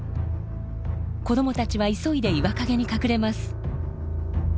子どもたちは急いで岩陰に隠れます。